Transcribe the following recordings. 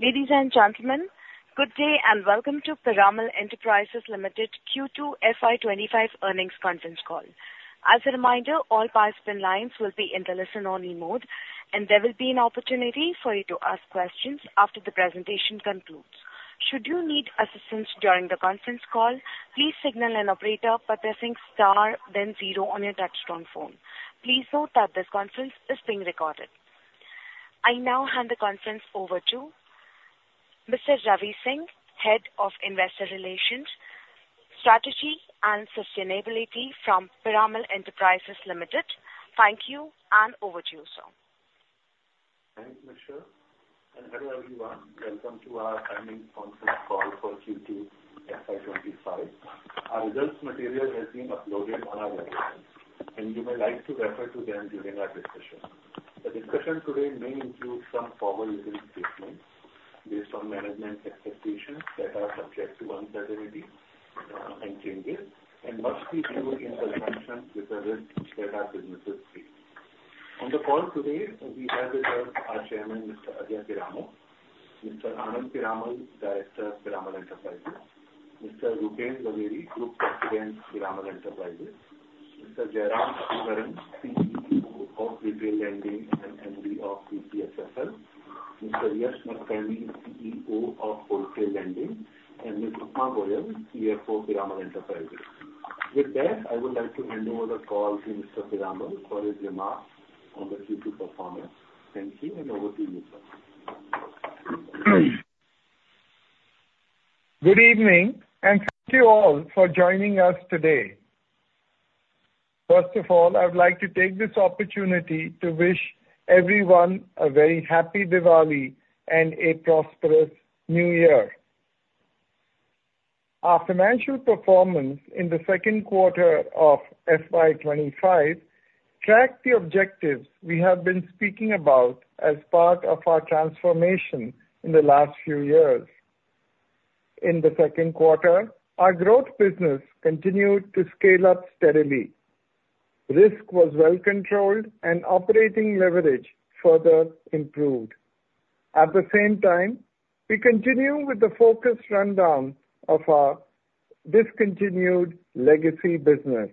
Ladies and gentlemen, good day, and welcome to Piramal Enterprises Limited Q2 FY25 Earnings Conference Call. As a reminder, all participant lines will be in the listen-only mode, and there will be an opportunity for you to ask questions after the presentation concludes. Should you need assistance during the conference call, please signal an operator by pressing star, then zero on your touchtone phone. Please note that this conference is being recorded. I now hand the conference over to Mr. Ravi Singh, Head of Investor Relations, Strategy and Sustainability from Piramal Enterprises Limited. Thank you, and over to you, sir. Thank you, Michelle, and hello, everyone. Welcome to our earnings conference call for Q2 FY25. Our results material has been uploaded on our website, and you may like to refer to them during our discussion. The discussion today may include some forward-looking statements based on management's expectations that are subject to uncertainty, and changes, and must be viewed in conjunction with the results that our businesses face. On the call today, we have with us our Chairman, Mr. Ajay Piramal, Mr. Anand Piramal, Director, Piramal Enterprises, Mr. Rupen Jhaveri, Group President, Piramal Enterprises, Mr. Jairam Sridharan, CEO of Retail Lending and MD of PCHFL, Mr. Yesh Nadkarni, CEO of Wholesale Lending, and Ms. Upma Goel, CFO, Piramal Enterprises. With that, I would like to hand over the call to Mr. Piramal for his remarks on the Q2 performance. Thank you, and over to you, sir. Good evening, and thank you all for joining us today. First of all, I would like to take this opportunity to wish everyone a very happy Diwali and a prosperous New Year. Our financial performance in the second quarter of FY25 tracked the objectives we have been speaking about as part of our transformation in the last few years. In the second quarter, our growth business continued to scale up steadily. Risk was well controlled and operating leverage further improved. At the same time, we continue with the focused rundown of our discontinued legacy business.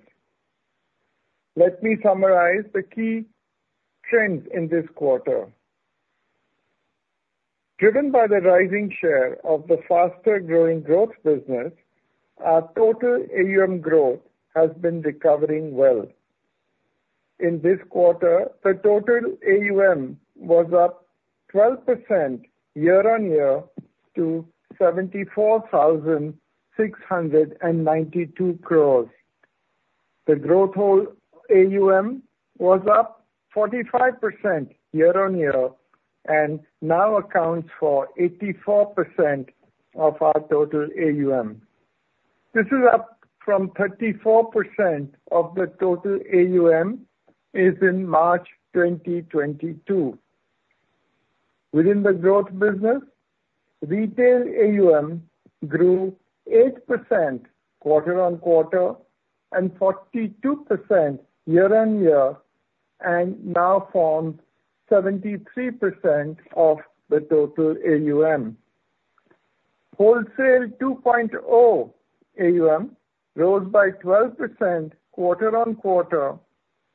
Let me summarize the key trends in this quarter. Driven by the rising share of the faster-growing growth business, our total AUM growth has been recovering well. In this quarter, the total AUM was up 12% year on year to 74,692 crores. The growth book AUM was up 45% year on year and now accounts for 84% of our total AUM. This is up from 34% of the total AUM as in March 2022. Within the growth business, retail AUM grew 8% quarter on quarter and 42% year on year and now forms 73% of the total AUM. Wholesale 2.0 AUM rose by 12% quarter on quarter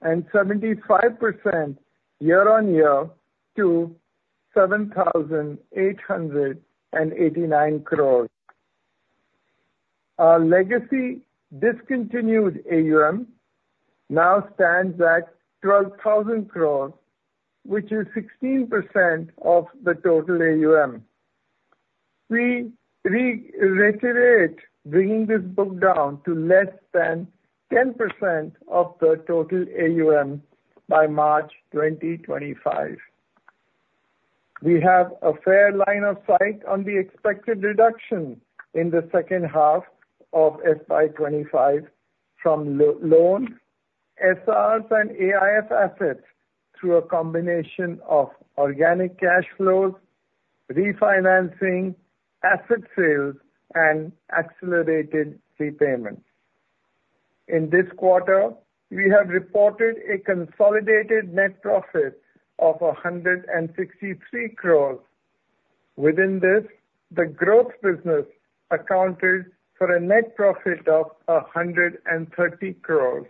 and 75% year on year to 7,889 crores. Our legacy discontinued AUM now stands at 12,000 crores, which is 16% of the total AUM. We reiterate bringing this book down to less than 10% of the total AUM by March 2025. We have a fair line of sight on the expected reduction in the second half of FY25 from loans, SRs, and AIF assets through a combination of organic cash flows, refinancing, asset sales, and accelerated repayments. In this quarter, we have reported a consolidated net profit of 163 crores. Within this, the growth business accounted for a net profit of 130 crores.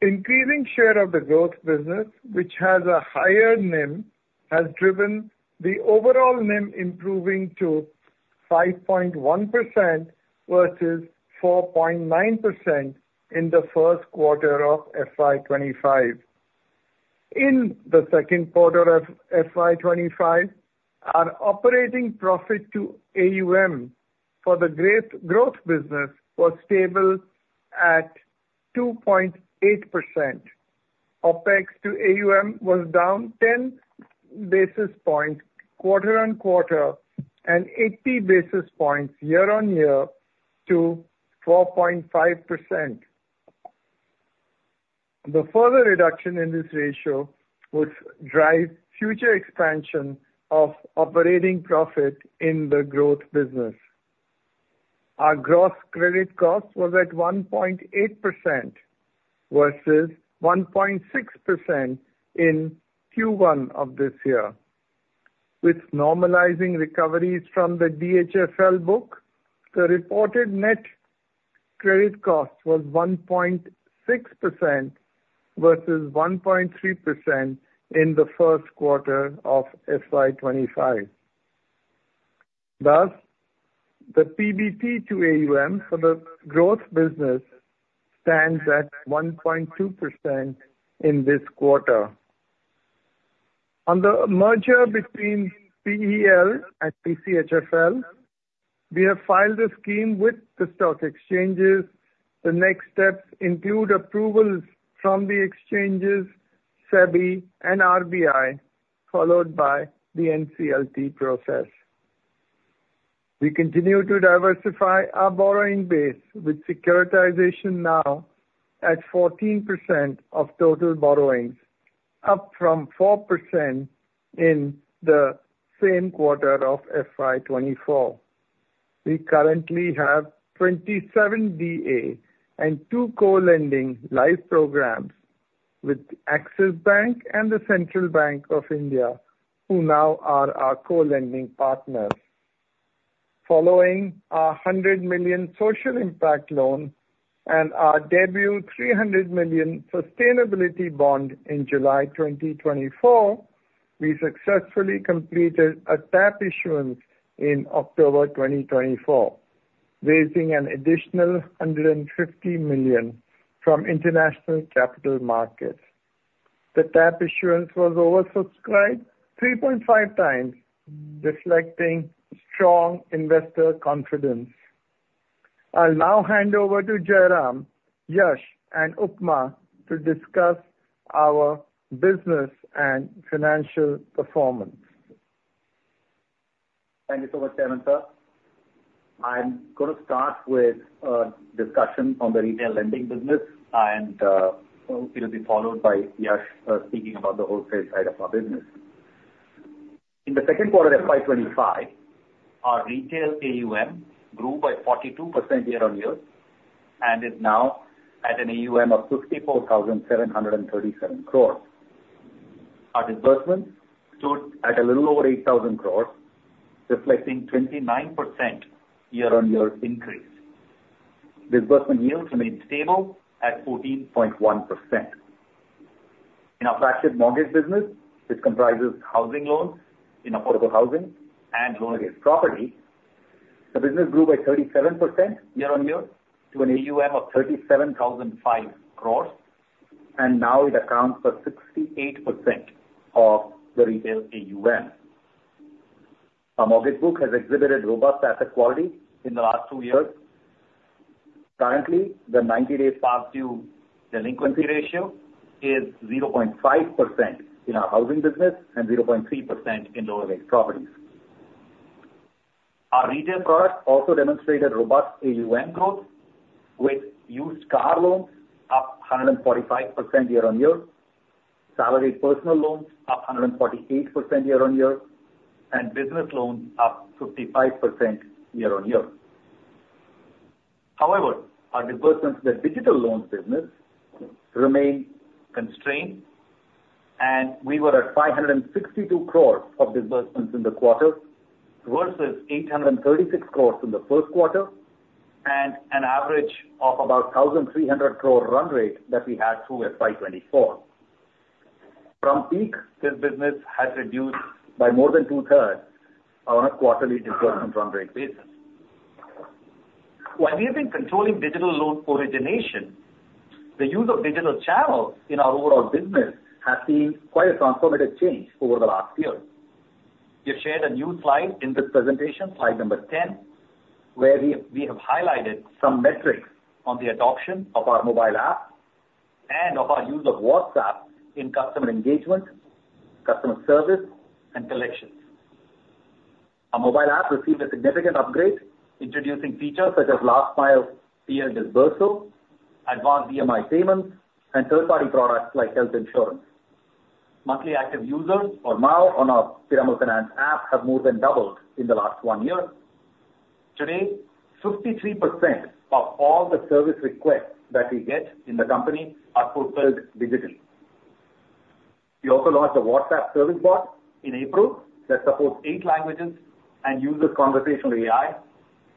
Increasing share of the growth business, which has a higher NIM, has driven the overall NIM improving to 5.1% versus 4.9% in the first quarter of FY25. In the second quarter of FY25, our operating profit to AUM for the growth business was stable at 2.8%. OpEx to AUM was down 10 basis points quarter on quarter and 80 basis points year on year to 4.5%. The further reduction in this ratio would drive future expansion of operating profit in the growth business. Our gross credit cost was at 1.8%, versus 1.6% in Q1 of this year. With normalizing recoveries from the DHFL book, the reported net credit cost was 1.6% versus 1.3% in the first quarter of FY25. Thus, the PBT to AUM for the growth business stands at 1.2% in this quarter. On the merger between PEL and PCHFL, we have filed a scheme with the stock exchanges. The next steps include approvals from the exchanges, SEBI and RBI, followed by the NCLT process. We continue to diversify our borrowing base, with securitization now at 14% of total borrowings, up from 4% in the same quarter of FY24. We currently have 27 DA and two co-lending live programs with Axis Bank and the Central Bank of India, who now are our co-lending partners. Following our $100 million social impact loan and our debut $300 million sustainability bond in July 2024, we successfully completed a tap issuance in October 2024, raising an additional $150 million from international capital markets. The tap issuance was oversubscribed 3.5 times, reflecting strong investor confidence. I'll now hand over to Jairam, Yesh, and Upma to discuss our business and financial performance. Thank you so much, Chairman, sir. I'm gonna start with discussion on the retail lending business, and it will be followed by Yesh speaking about the wholesale side of our business. In the second quarter of FY25, our retail AUM grew by 42% year on year, and is now at an AUM of 64,737 crores. Our disbursements stood at a little over 8,000 crores, reflecting 29% year-on-year increase. Disbursement yields remained stable at 14.1%. In our fractured mortgage business, which comprises housing loans in affordable housing and loan against property, the business grew by 37% year on year to an AUM of 37,500 crores, and now it accounts for 68% of the retail AUM. Our mortgage book has exhibited robust asset quality in the last two years. Currently, the 90-day past due delinquency ratio is 0.5% in our housing business and 0.3% in LAP. Our retail products also demonstrated robust AUM growth, with used car loans up 145% year on year, salaried personal loans up 148% year on year, and business loans up 55% year on year. However, our disbursements in the digital loans business remain constrained, and we were at 562 crore of disbursements in the quarter, versus 836 crore in the first quarter, and an average of about 1,300 crore run rate that we had through FY24. From peak, this business has reduced by more than two-thirds on a quarterly disbursement run rate basis. While we have been controlling digital loan origination, the use of digital channels in our overall business has seen quite a transformative change over the last year. We've shared a new slide in this presentation, Slide number 10, where we, we have highlighted some metrics on the adoption of our mobile app and of our use of WhatsApp in customer engagement, customer service, and collections. Our mobile app received a significant upgrade, introducing features such as last mile pay disbursal, advanced EMI payments, and third-party products like health insurance. Monthly active users are now on our Piramal Finance app have more than doubled in the last one year. Today, 53% of all the service requests that we get in the company are fulfilled digitally. We also launched a WhatsApp service bot in April that supports eight languages and uses conversational AI,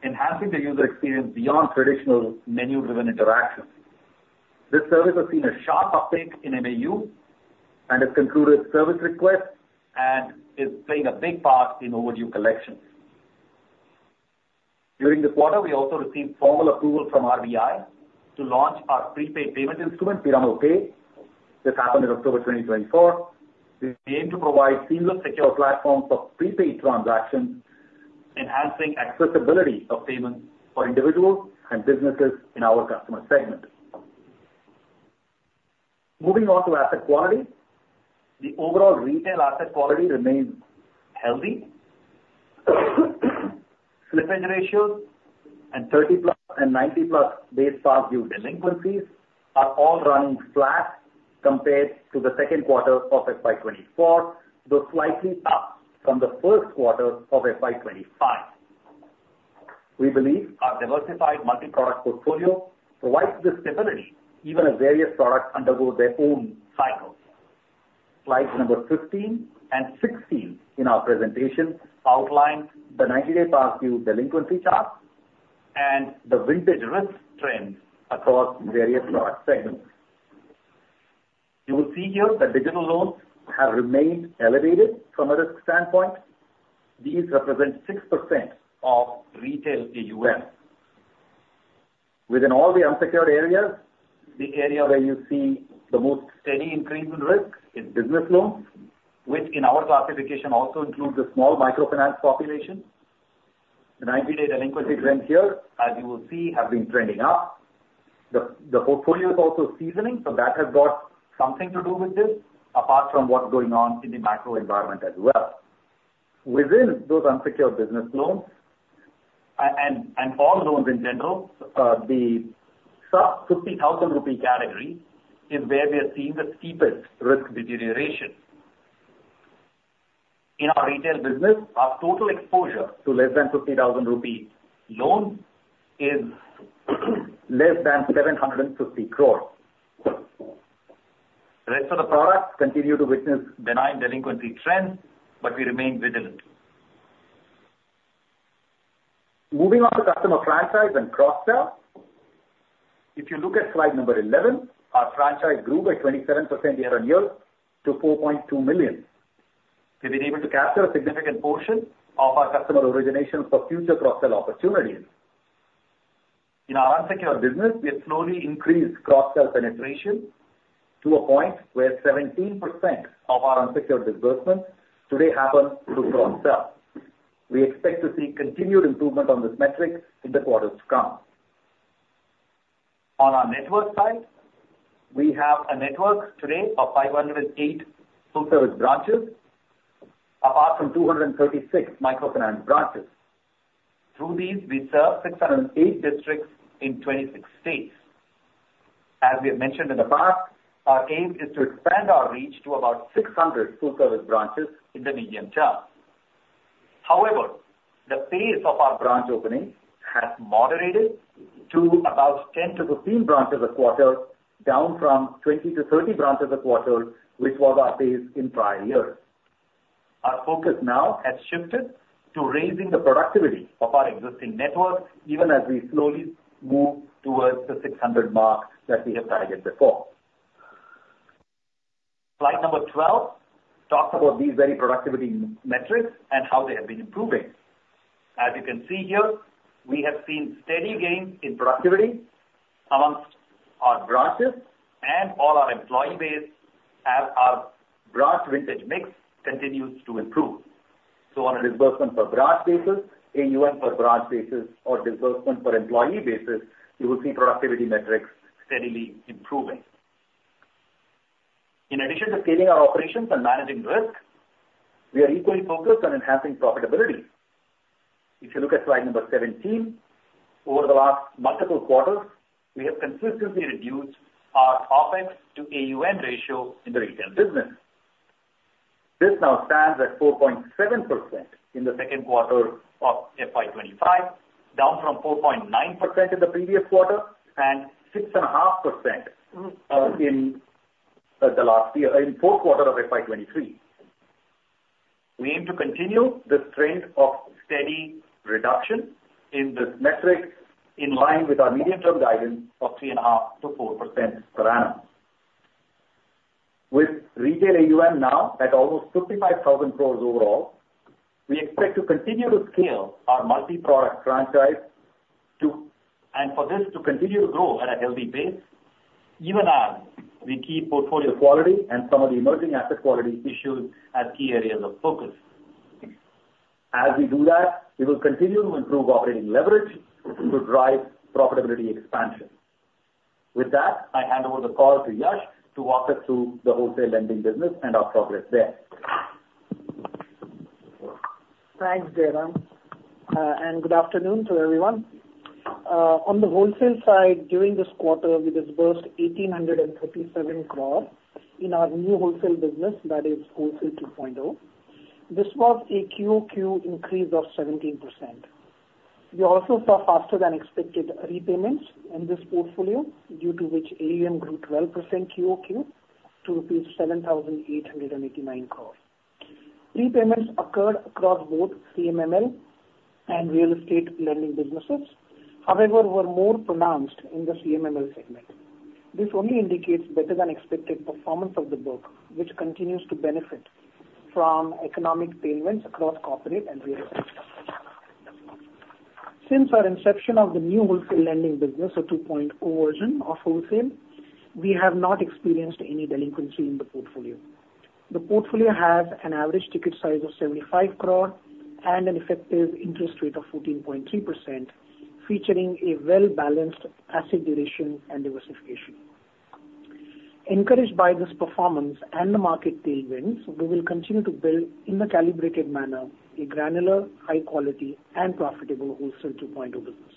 enhancing the user experience beyond traditional menu-driven interactions. This service has seen a sharp uptick in MAU and has concluded service requests and is playing a big part in overdue collections. During this quarter, we also received formal approval from RBI to launch our prepaid payment instrument, Piramal Pay. This happened in October 2024. We aim to provide seamless, secure platforms for prepaid transactions, enhancing accessibility of payments for individuals and businesses in our customer segment. Moving on to asset quality. The overall retail asset quality remains healthy. Slippage ratios and thirty-plus and ninety-plus day past due delinquencies are all running flat, compared to the second quarter of FY24, though slightly up from the first quarter of FY25. We believe our diversified multi-product portfolio provides the stability, even as various products undergo their own cycles. Slides number 15 and 16 in our presentation outline the 90-day past due delinquency chart and the vintage risk trends across various product segments. You will see here that digital loans have remained elevated from a risk standpoint. These represent 6% of retail AUM. Within all the unsecured areas, the area where you see the most steady increase in risk is business loans, which in our classification also includes a small microfinance population. The 90-day delinquency trends here, as you will see, have been trending up. The portfolio is also seasoning, so that has got something to do with this, apart from what's going on in the macro environment as well. Within those unsecured business loans, and all loans in general, the sub-50,000 rupee category is where we are seeing the steepest risk deterioration. In our retail business, our total exposure to less than 50,000 rupee loan is less than 750 crores. The rest of the products continue to witness benign delinquency trends, but we remain vigilant. Moving on to customer franchise and cross-sell. If you look at Slide number 11, our franchise grew by 27% year on year to 4.2 million. We've been able to capture a significant portion of our customer originations for future cross-sell opportunities. In our unsecured business, we have slowly increased cross-sell penetration to a point where 17% of our unsecured disbursements today happen through cross-sell. We expect to see continued improvement on this metric in the quarters to come. On our network side, we have a network today of 508 full-service branches, apart from 236 microfinance branches. Through these, we serve 608 districts in 26 states. As we have mentioned in the past, our aim is to expand our reach to about 600 full-service branches in the medium term. However, the pace of our branch opening has moderated to about 10-15 branches a quarter, down from 20-30 branches a quarter, which was our pace in prior years. Our focus now has shifted to raising the productivity of our existing network, even as we slowly move towards the 600 mark that we have targeted before. Slide number 12 talks about these very productivity metrics and how they have been improving. As you can see here, we have seen steady gains in productivity among our branches and all our employee base as our branch vintage mix continues to improve. On a disbursement per branch basis, AUM per branch basis, or disbursement per employee basis, you will see productivity metrics steadily improving. In addition to scaling our operations and managing risk, we are equally focused on enhancing profitability. If you look at Slide number 17, over the last multiple quarters, we have consistently reduced our OpEx to AUM ratio in the retail business. This now stands at 4.7% in the second quarter of FY25, down from 4.9% in the previous quarter, and 6.5% in the last year, in fourth quarter of FY23. We aim to continue this trend of steady reduction in this metric, in line with our medium-term guidance of 3.5%-4% per annum. With retail AUM now at almost 55,000 crores overall, we expect to continue to scale our multi-product franchise to, and for this to continue to grow at a healthy pace, even as we keep portfolio quality and some of the emerging asset quality issues as key areas of focus. As we do that, we will continue to improve operating leverage to drive profitability expansion. With that, I hand over the call to Yesh to walk us through the wholesale lending business and our progress there. Thanks, Jairam, and good afternoon to everyone. On the wholesale side, during this quarter, we disbursed 1,837 crore in our new wholesale business, that is Wholesale 2.0. This was a QOQ increase of 17%. We also saw faster than expected repayments in this portfolio, due to which AUM grew 12% QOQ to rupees 7,889 crore. Repayments occurred across both CMML and real estate lending businesses, however, were more pronounced in the CMML segment. This only indicates better than expected performance of the book, which continues to benefit from economic payments across corporate and real estate. Since our inception of the new wholesale lending business, or 2.0 version of wholesale, we have not experienced any delinquency in the portfolio. The portfolio has an average ticket size of 75 crore and an effective interest rate of 14.3%, featuring a well-balanced asset duration and diversification. Encouraged by this performance and the market tailwinds, we will continue to build, in a calibrated manner, a granular, high quality, and profitable Wholesale 2.0 business.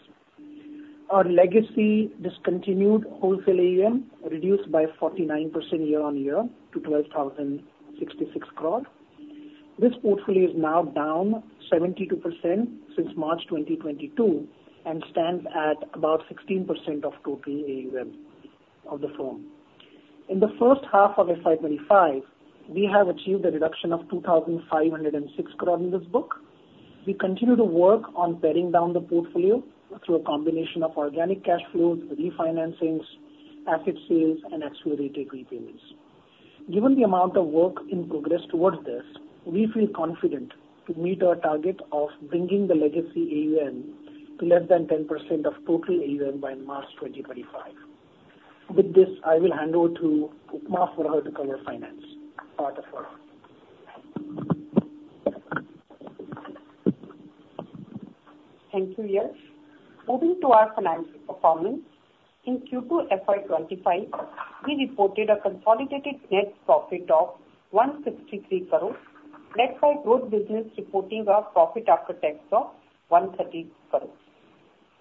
Our legacy discontinued wholesale AUM reduced by 49% year-on-year to 12,066 crore. This portfolio is now down 72% since March 2022, and stands at about 16% of total AUM of the firm. In the first half of FY25, we have achieved a reduction of 2,506 crore in this book. We continue to work on paring down the portfolio through a combination of organic cash flows, refinancings, asset sales and accelerated repayments. Given the amount of work in progress towards this, we feel confident to meet our target of bringing the legacy AUM to less than 10% of total AUM by March 2025. With this, I will hand over to Upma for her to cover finance part of it. Thank you, Yesh. Moving to our financial performance, in Q2 FY25, we reported a consolidated net profit of 163 crores, led by growth business reporting a profit after tax of 130 crores.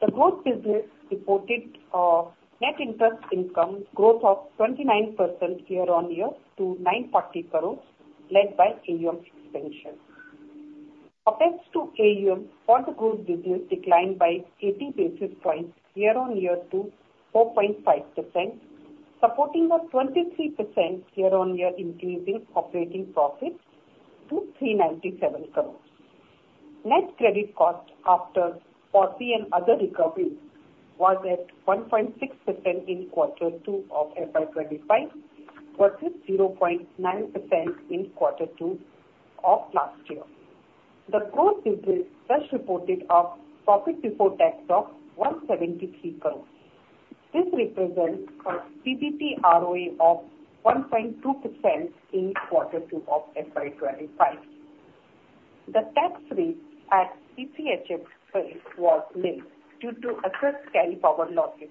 The growth business reported a net interest income growth of 29% year-on-year to 940 crores, led by AUM expansion. Core NIM of growth business declined by eighty basis points year-on-year to 4.5%, supporting a 23% year-on-year increase in operating profit to 397 crores. Net credit cost after policy and other recoveries was at 1.6% in quarter two of FY25, versus 0.9% in quarter two of last year. The growth business thus reported a profit before tax of 173 crores. This represents a PBT ROE of 1.2% in quarter two of FY25. The tax rate at PCHFL was made due to assessed carry forward losses,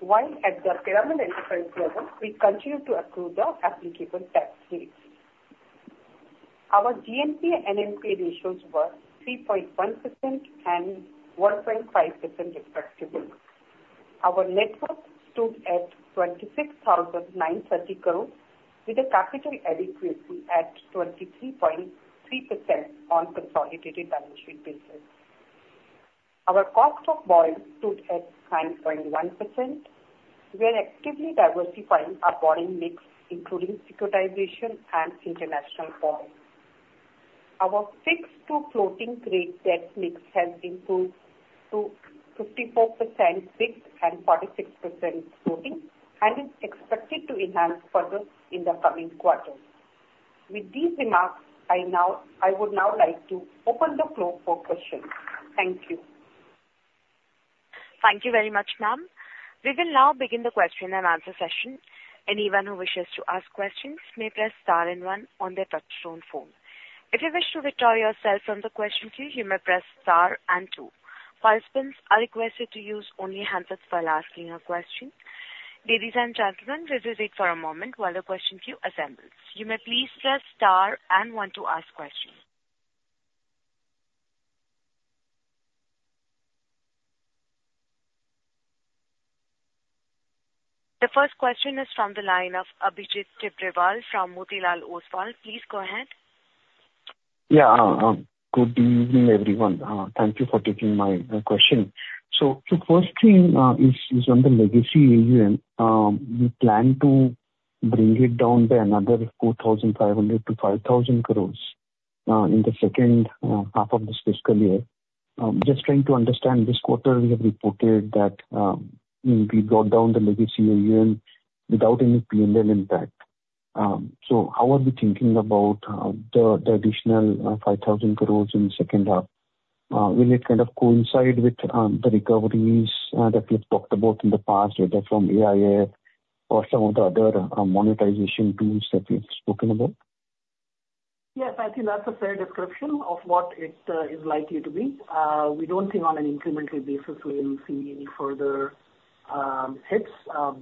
while at the Piramal Enterprises level, we continue to accrue the applicable tax rates. Our GNPA and NNPA ratios were 3.1% and 1.5%, respectively. Our net worth stood at 26,930 crores, with a capital adequacy at 23.3% on consolidated balance sheet basis. Our cost of borrowing stood at 9.1%. We are actively diversifying our borrowing mix, including securitization and international borrowing. Our fixed to floating rate debt mix has improved to 54% fixed and 46% floating, and is expected to enhance further in the coming quarters. With these remarks, I would now like to open the floor for questions. Thank you. Thank you very much, ma'am. We will now begin the question and answer session. Anyone who wishes to ask questions may press star and one on their touchtone phone. If you wish to withdraw yourself from the question queue, you may press star and two. Participants are requested to use only the handset while asking a question. Ladies and gentlemen, please wait for a moment while the question queue assembles. You may please press star and one to ask questions. The first question is from the line of Abhijit Tibrewal from Motilal Oswal. Please go ahead. Yeah, good evening, everyone. Thank you for taking my question. So the first thing is on the legacy AUM. We plan to bring it down by another 4,500-5,000 crores in the second half of this fiscal year. Just trying to understand, this quarter, we have reported that we brought down the legacy AUM without any PNL impact. So how are we thinking about the additional 5,000 crores in the second half? Will it kind of coincide with the recoveries that we've talked about in the past, whether from AIF or some of the other monetization tools that we've spoken about? Yes, I think that's a fair description of what it is likely to be. We don't think on an incremental basis we will see any further hits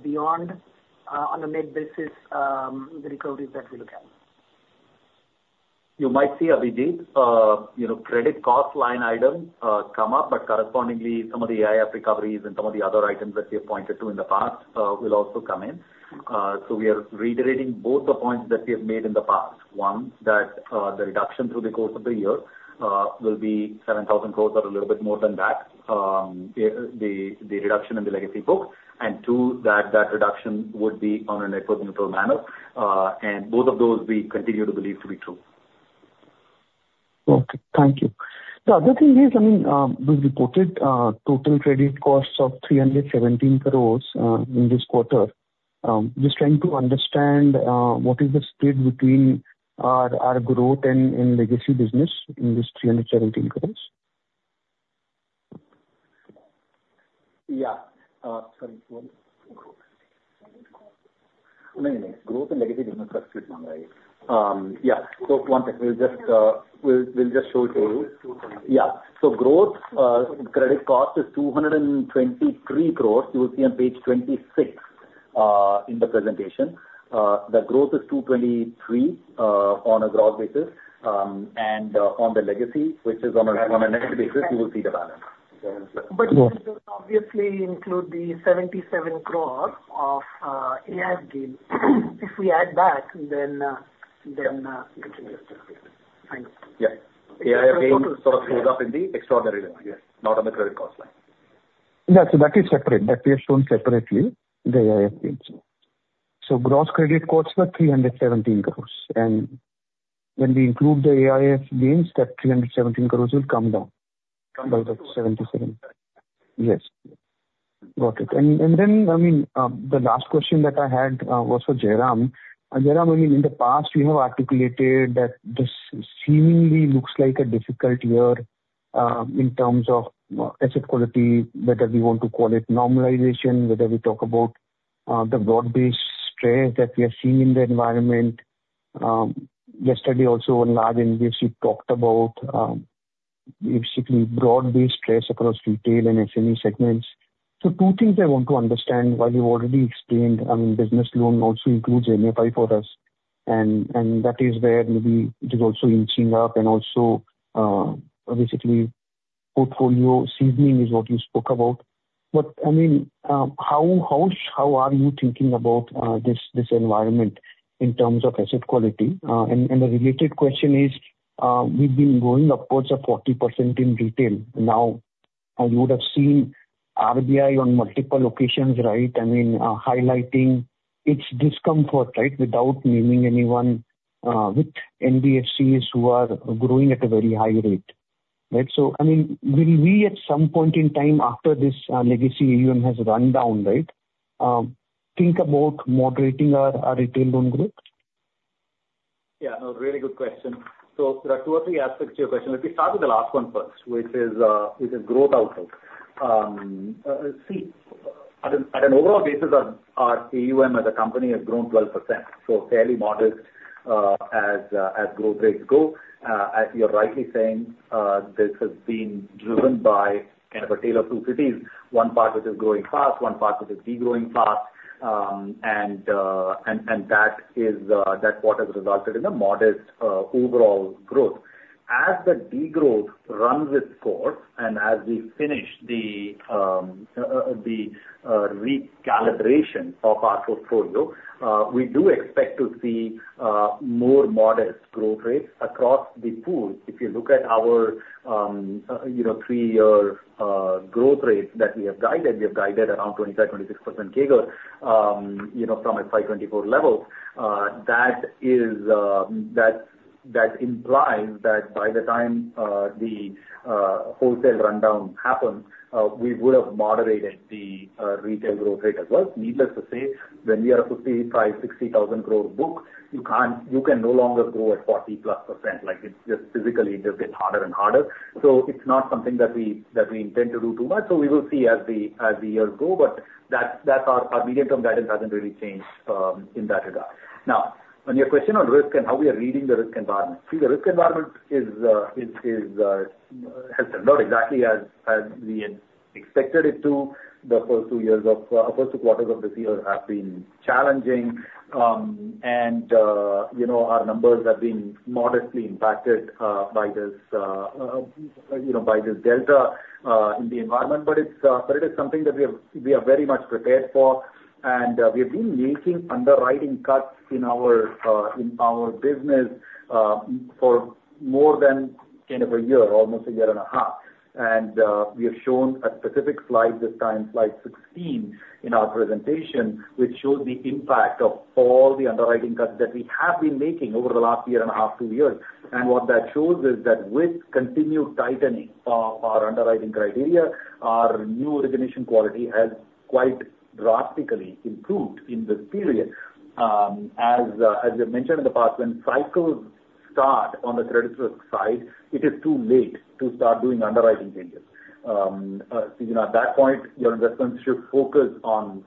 beyond on a net basis the recoveries that we look at. You might see, Abhijit, you know, credit cost line item come up, but correspondingly, some of the AIF recoveries and some of the other items that we have pointed to in the past will also come in. So we are reiterating both the points that we have made in the past. One, that the reduction through the course of the year will be 7,000 crores or a little bit more than that, the reduction in the legacy book, and two, that reduction would be on a net-neutral manner. And both of those we continue to believe to be true. Okay, thank you. The other thing is, I mean, we've reported total credit costs of 317 crores in this quarter. Just trying to understand what is the split between our growth and legacy business in this 317 crores? Yeah. Sorry, growth. No, no. Growth and legacy business, right? Yeah. So one thing, we'll just show it to you. Yeah. So growth, credit cost is 223 crores. You will see on Page 26. In the presentation. The growth is two twenty-three on a gross basis, and on the legacy, which is on a net basis, you will see the balance. But you obviously include the 77 crore of AIF gain. If we add that, then Yeah. Thanks. Yeah. AIF gain sort of showed up in the extraordinary line item, not on the credit cost line. Yes, so that is separate, that we have shown separately, the AIF gains. So gross credit costs were 317 crores, and when we include the AIF gains, that 317 crores will come down by the 77. Yes. Got it. And then, I mean, the last question that I had was for Jairam. And Jairam, I mean, in the past, you have articulated that this seemingly looks like a difficult year, in terms of, asset quality, whether we want to call it normalization, whether we talk about, the broad-based stress that we are seeing in the environment. Yesterday, also, in large, you talked about, basically broad-based stress across retail and SME segments. So two things I want to understand, while you've already explained, I mean, business loan also includes MFI for us, and that is where maybe it is also inching up and also, basically, portfolio seasoning is what you spoke about. But I mean, how are you thinking about this environment in terms of asset quality? And a related question is, we've been growing upwards of 40% in retail. Now, you would have seen RBI on multiple occasions, right? I mean, highlighting its discomfort, right? Without naming anyone, with NBFCs who are growing at a very high rate. Right, so I mean, will we, at some point in time after this, legacy AUM has run down, right, think about moderating our retail loan growth? Yeah, no, really good question. So there are two or three aspects to your question. Let me start with the last one first, which is growth outlook. See, at an overall basis, our AUM as a company has grown 12%, so fairly modest, as growth rates go. As you're rightly saying, this has been driven by kind of a tale of two cities, one part which is growing fast, one part which is degrowing fast. And that is what has resulted in a modest overall growth. As the degrowth runs its course, and as we finish the recalibration of our portfolio, we do expect to see more modest growth rates across the pool. If you look at our, you know, three-year growth rate that we have guided, we have guided around 25-26% CAGR, you know, from a FY24 level. That is, that, that implies that by the time, the, wholesale rundown happens, we would have moderated the, retail growth rate as well. Needless to say, when we are a 55-60 thousand crore book, you can't, you can no longer grow at 40+%. Like, it's just physically, it just gets harder and harder. So it's not something that we, that we intend to do too much, so we will see as the, as the years go, but that, that's our, our medium-term guidance hasn't really changed, in that regard. Now, on your question on risk and how we are reading the risk environment, see, the risk environment is, has turned out exactly as we had expected it to. The first two quarters of this year have been challenging. And, you know, our numbers have been modestly impacted by this, you know, by this delta in the environment, but it is something that we are very much prepared for. And, we have been making underwriting cuts in our business for more than kind of a year, almost a year and a half. And, we have shown a specific slide this time, Slide 16, in our presentation, which shows the impact of all the underwriting cuts that we have been making over the last year and a half, two years. And what that shows is that with continued tightening of our underwriting criteria, our new origination quality has quite drastically improved in this period. As I mentioned in the past, when cycles start on the credit risk side, it is too late to start doing underwriting changes. You know, at that point, your investments should focus on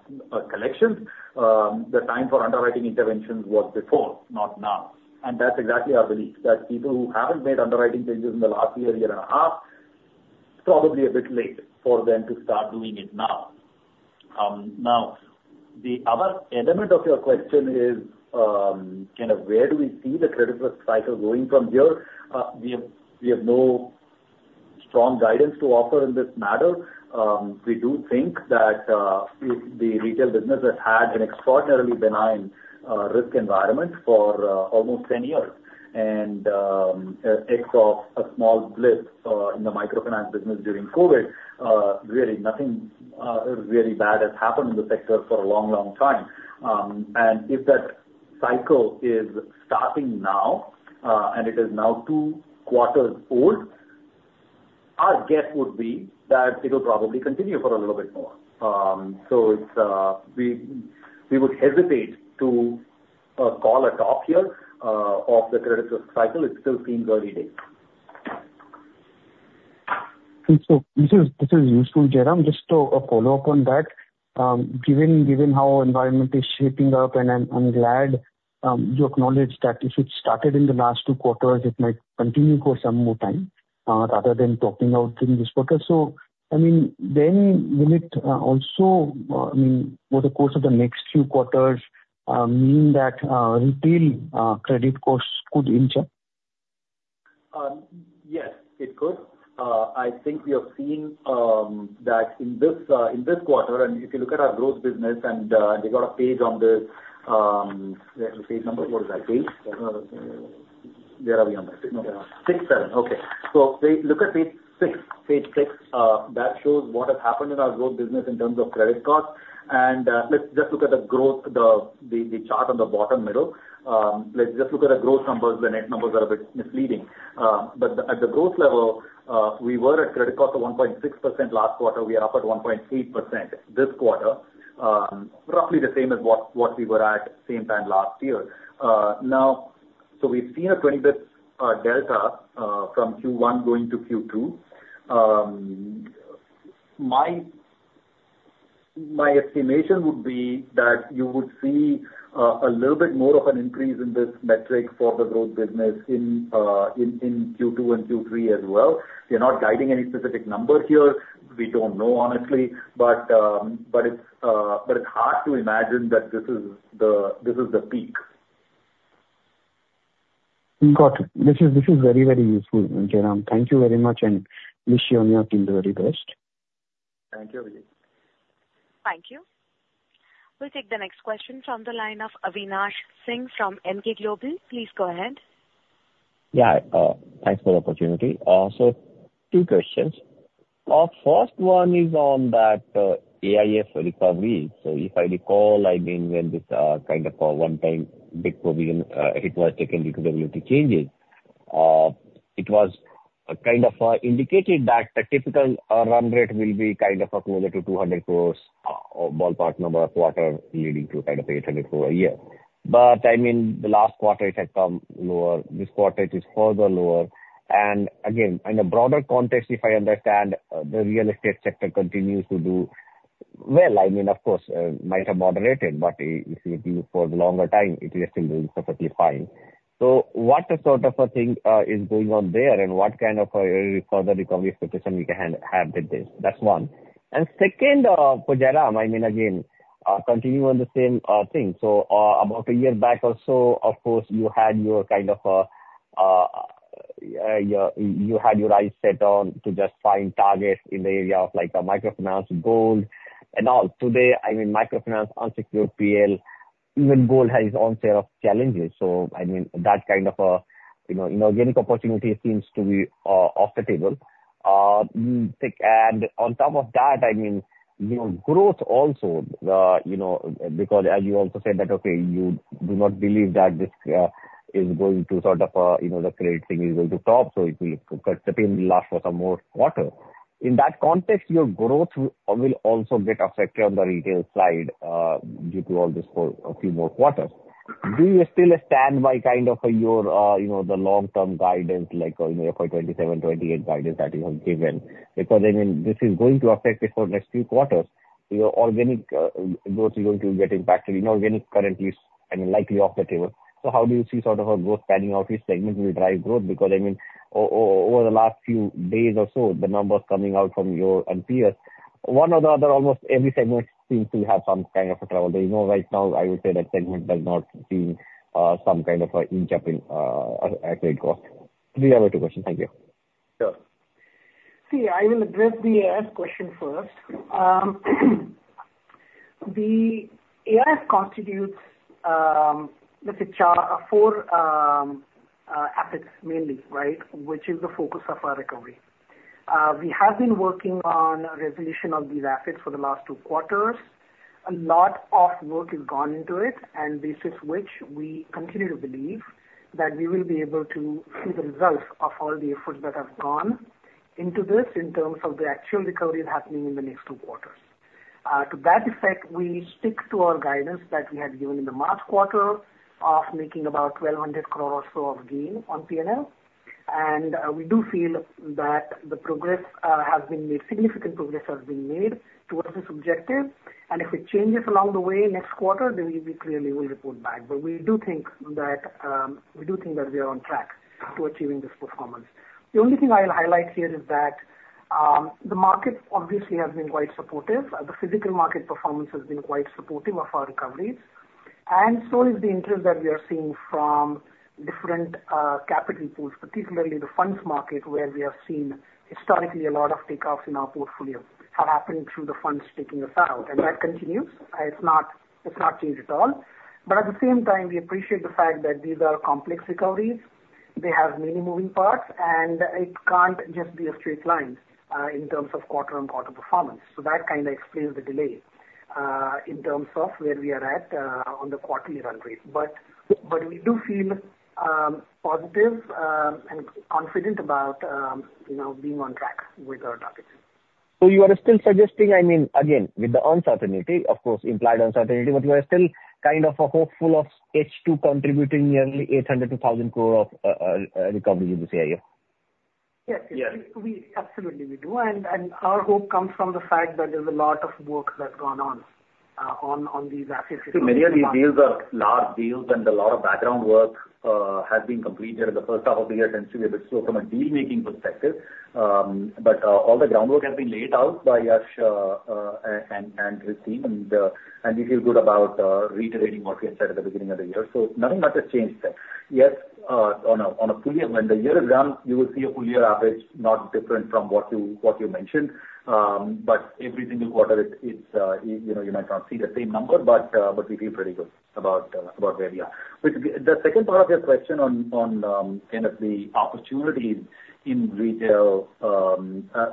collections. The time for underwriting interventions was before, not now. And that's exactly our belief, that people who haven't made underwriting changes in the last year, year and a half, probably a bit late for them to start doing it now. Now, the other element of your question is kind of where do we see the credit risk cycle going from here? We have no strong guidance to offer in this matter. We do think that if the retail business has had an extraordinarily benign risk environment for almost ten years, and except a small blip in the microfinance business during COVID, really nothing really bad has happened in the sector for a long, long time. And if that cycle is starting now, and it is now two quarters old, our guess would be that it'll probably continue for a little bit more. So, we would hesitate to call a top here of the credit risk cycle. It still seems early days. So this is useful, Jairam. Just a follow-up on that. Given how environment is shaping up, and I'm glad you acknowledge that if it started in the last two quarters, it might continue for some more time, rather than topping out in this quarter. So, I mean, then will it also, I mean, over the course of the next few quarters, mean that retail credit costs could inch up? Yes, it could. I think we have seen that in this quarter, and if you look at our growth business and they've got a page on the page number, what is that, page? Where are we on that? Six, seven. Okay. So they look at Page 6. Page 6, that shows what has happened in our growth business in terms of credit costs. And let's just look at the growth, the chart on the bottom middle. Let's just look at the growth numbers. The net numbers are a bit misleading. But at the growth level, we were at credit cost of 1.6% last quarter, we are up at 1.8% this quarter. Roughly the same as what we were at same time last year. Now, so we've seen a 20 basis points delta from Q1 going to Q2. My estimation would be that you would see a little bit more of an increase in this metric for the growth business in Q2 and Q3 as well. We are not guiding any specific number here. We don't know, honestly, but it's hard to imagine that this is the peak. Got it. This is, this is very, very useful, Jairam. Thank you very much, and wish you and your team the very best. Thank you, Vijay. Thank you. We'll take the next question from the line of Avinash Singh from Emkay Global. Please go ahead. Yeah, thanks for the opportunity. So two questions. First one is on that, AIF recovery. So if I recall, I mean, when this, kind of a one-time big provision, it was taken due to ECL changes, it was kind of, indicated that the typical, run rate will be kind of, closer to 200 crores, or ballpark number a quarter leading to kind of 800 crore a year. But, I mean, the last quarter it had come lower, this quarter it is further lower. And again, in a broader context, if I understand, the real estate sector continues to do well. I mean, of course, might have moderated, but if you look for the longer time, it is still doing perfectly fine. So what sort of a thing is going on there, and what kind of a further recovery expectation we can have with this? That's one. And second, for Jairam, I mean, again, continue on the same thing. So, about a year back or so, of course, you had your kind of, you had your eyes set on to just find targets in the area of, like, microfinance, gold and all. Today, I mean, microfinance, unsecured PL, even gold has its own share of challenges. So, I mean, that kind of a, you know, inorganic opportunity seems to be off the table. Like, and on top of that, I mean, you know, growth also, you know, because as you also said, that, okay, you do not believe that this is going to sort of, you know, the credit thing is going to top, so it will continue last for some more quarters. In that context, your growth will also get affected on the retail side due to all this for a few more quarters. Do you still stand by kind of your you know, the long-term guidance, like, you know, for twenty-seven, twenty-eight guidance that you have given? Because, I mean, this is going to affect it for next few quarters. Your organic growth is going to get impacted. Inorganic currently is, I mean, likely off the table. So how do you see sort of a growth panning out, which segment will drive growth? Because, I mean, over the last few days or so, the numbers coming out from your peers, one or the other, almost every segment seems to have some kind of a trouble. You know, right now, I would say that segment does not seem, some kind of a inch up in, credit cost. These are my two questions. Thank you. Sure. See, I will address the AIF question first. The AIF constitutes, let's say, four assets mainly, right? Which is the focus of our recovery. We have been working on resolution of these assets for the last two quarters. A lot of work has gone into it, and this is which we continue to believe that we will be able to see the results of all the efforts that have gone into this in terms of the actual recoveries happening in the next two quarters. To that effect, we stick to our guidance that we had given in the March quarter of making about 1,200 crore or so of gain on PNL. And, we do feel that the progress has been made. Significant progress has been made towards this objective, and if it changes along the way next quarter, then we clearly will report back. But we do think that we are on track to achieving this performance. The only thing I'll highlight here is that the market obviously has been quite supportive. The financial market performance has been quite supportive of our recoveries, and so is the interest that we are seeing from different capital pools, particularly the funds market, where we have seen historically a lot of take-outs in our portfolio have happened through the funds taking us out, and that continues. It's not changed at all. But at the same time, we appreciate the fact that these are complex recoveries. They have many moving parts, and it can't just be a straight line, in terms of quarter-on-quarter performance. So that kind of explains the delay, in terms of where we are at, on the quarterly run rate. But we do feel, positive, and confident about, you know, being on track with our targets. So you are still suggesting, I mean, again, with the uncertainty, of course, implied uncertainty, but you are still kind of a hopeful of H2 contributing nearly 800-1,000 crore of recovery in this AIF? Yes. Yes. Absolutely we do. And our hope comes from the fact that there's a lot of work that's gone on, on these assets. Many of these deals are large deals and a lot of background work has been completed in the first half of the year, tends to be a bit slow from a deal making perspective. But all the groundwork has been laid out by Yesh and his team, and we feel good about reiterating what we had said at the beginning of the year, so nothing much has changed there. Yes, on a full year, when the year is done, you will see a full year average, not different from what you mentioned. But every single quarter it's you know, you might not see the same number, but we feel pretty good about where we are. With the second part of your question on kind of the opportunities in retail,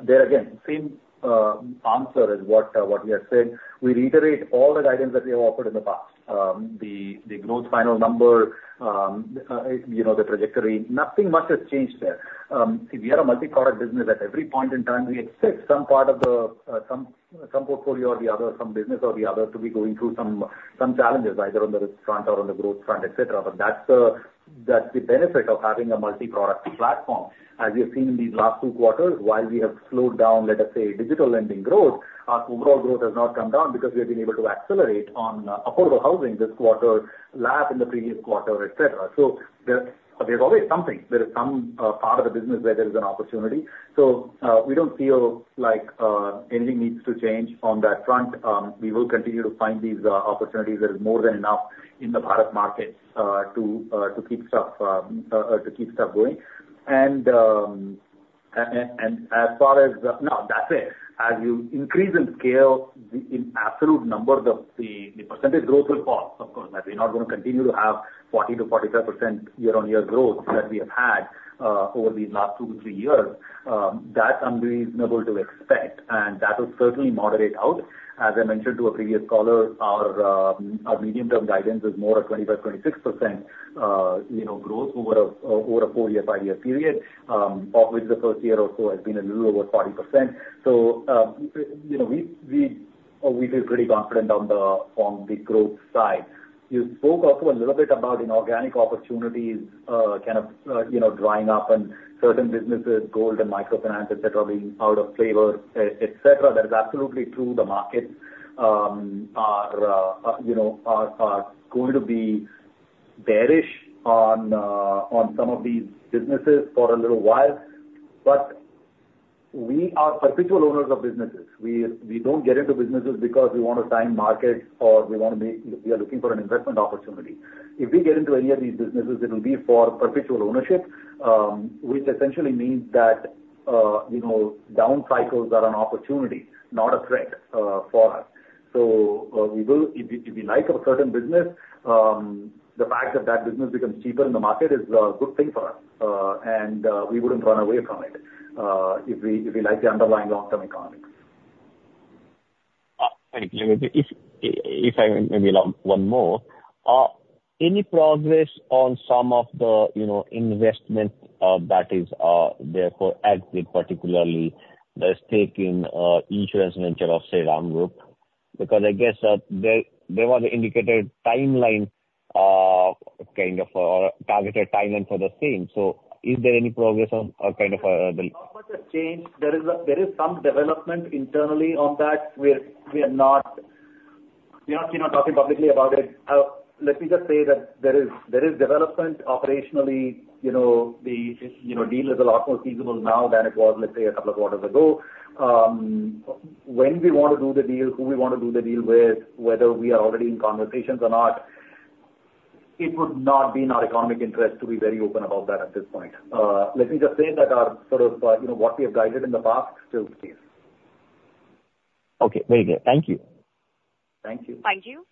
there again, same answer as what we have said. We reiterate all the guidance that we have offered in the past. The growth final number, you know, the trajectory, nothing much has changed there. See, we are a multi-product business. At every point in time we expect some part of the some portfolio or the other, some business or the other, to be going through some challenges, either on the risk front or on the growth front, et cetera. But that's the benefit of having a multi-product platform. As we have seen in these last two quarters, while we have slowed down, let us say, digital lending growth, our overall growth has not come down because we have been able to accelerate on affordable housing this quarter, LAP in the previous quarter, et cetera. So there's always something. There is some part of the business where there is an opportunity. So we don't feel like anything needs to change on that front. We will continue to find these opportunities. There is more than enough in the Bharat markets to keep stuff going. And as far as. No, that's it. As you increase in scale, in absolute numbers, the percentage growth will fall. Of course, we're not going to continue to have 40%-45% year-on-year growth that we have had over these last two to three years. That's unreasonable to expect, and that will certainly moderate out. As I mentioned to a previous caller, our medium-term guidance is more of 25-26% you know growth over a four-year, five-year period of which the first year or so has been a little over 40%. So, you know, we feel pretty confident on the growth side. You spoke also a little bit about inorganic opportunities kind of you know drying up and certain businesses, gold and microfinance, et cetera, being out of favor, et cetera. That is absolutely true. The markets are going to be bearish on some of these businesses for a little while, but we are perpetual owners of businesses. We don't get into businesses because we want to time market or we want to make- we are looking for an investment opportunity. If we get into any of these businesses, it will be for perpetual ownership, which essentially means that, you know, down cycles are an opportunity, not a threat, for us. So, we will. If we like a certain business, the fact that that business becomes cheaper in the market is a good thing for us, and, we wouldn't run away from it, if we like the underlying long-term economics. Thank you. If I may be allowed one more? Any progress on some of the, you know, investments that are there for exit, particularly the stake in the insurance venture of Shriram Group? Because I guess there was an indicated timeline, kind of, or targeted timeline for the same. So is there any progress on, or kind of, the- Not much has changed. There is some development internally on that. We are not talking publicly about it. Let me just say that there is development operationally. You know, the deal is a lot more feasible now than it was, let's say, a couple of quarters ago. When we want to do the deal, who we want to do the deal with, whether we are already in conversations or not, it would not be in our economic interest to be very open about that at this point. Let me just say that our sort of, you know, what we have guided in the past still stands. Okay. Very good. Thank you. Thank you. Thank you.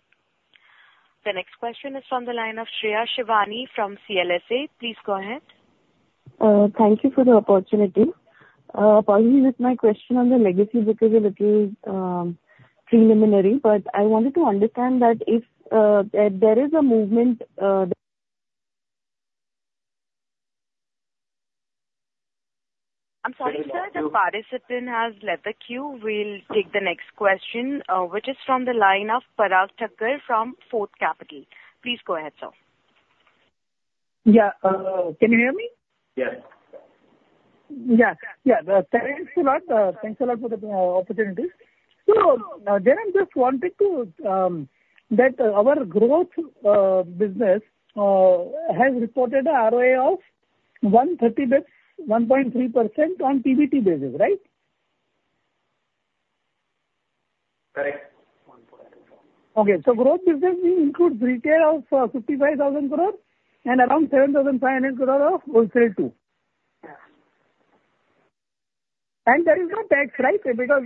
The next question is from the line of Shreya Shivani from CLSA. Please go ahead. Thank you for the opportunity. Probably with my question on the legacy, because a little preliminary, but I wanted to understand that if there is a movement. I'm sorry, sir, the participant has left the queue. We'll take the next question, which is from the line of Parag Thakkar from Anvil Wealth. Please go ahead, sir. Yeah, can you hear me? Yes. Yeah. Yeah, thanks a lot. Thanks a lot for the opportunity. So, then I just wanted to that our growth business has reported a ROA of 130 basis, 1.3% on PBT basis, right? Correct. 1.3. Okay, so growth business will include retail of 55,000 crore and around 7,500 crore of wholesale, too? Yeah. And there is no tax, right? Because,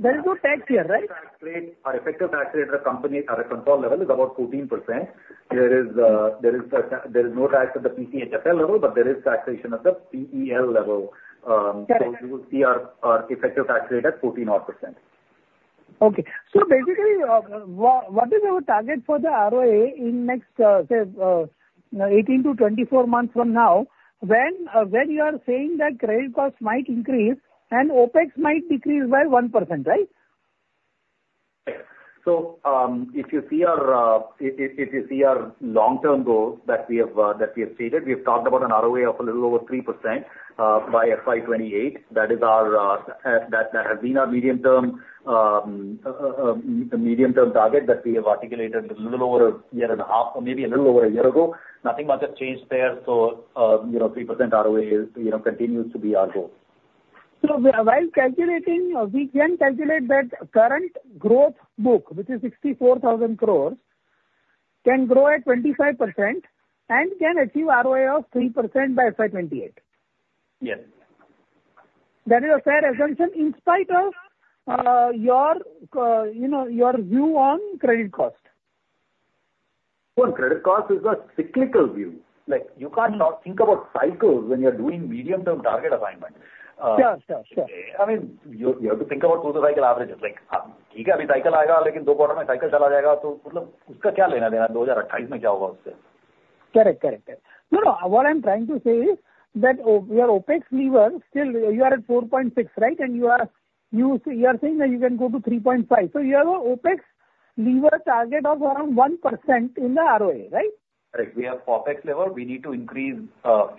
there is no tax here, right? Our tax rate, our effective tax rate at a company, at a control level is about 14%. There is no tax at the PCHFL level, but there is taxation at the PEL level. Correct. You will see our effective tax rate at 14-odd%. Okay. So basically, what is our target for the ROA in the next, say, 18-24 months from now, when you are saying that credit costs might increase and OpEx might decrease by 1%, right? So, if you see our long-term goals that we have stated, we've talked about an ROA of a little over 3% by FY28. That is our, that has been our medium-term target that we have articulated a little over a year and a half, or maybe a little over a year ago. Nothing much has changed there, so, you know, 3% ROA is, you know, continues to be our goal. While calculating, we can calculate that current gross book, which is 64,000 crores, can grow at 25% and can achieve ROA of 3% by FY28? Yes. That is a fair assumption in spite of your, you know, your view on credit cost? Credit cost is a cyclical view. Like, you cannot think about cycles when you're doing medium-term target assignment. Sure, sure, sure. I mean, you have to think about through the cycle averages. Like, Correct. Correct. No, no, what I'm trying to say is that your OpEx lever, still you are at four point six, right? And you are saying that you can go to three point five. So you have a OpEx lever target of around 1% in the ROA, right? Right. We have OpEx lever. We need to increase